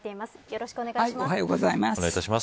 よろしくお願いします。